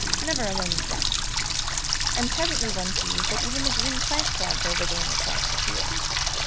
Never a moment's rest. And, presently, one sees that even the green plant threads are wriggling across the field.